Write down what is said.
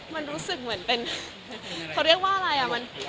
มันรู้สึกเหมือนเป็นเขาเรียกว่าอะไรอ่ะ